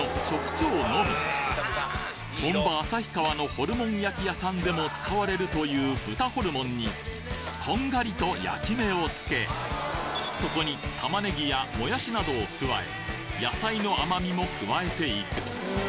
本場・旭川のホルモン焼き屋さんでも使われるという豚ホルモンにこんがりと焼き目を付けそこに玉ネギやモヤシなどを加え野菜の甘みも加えていく。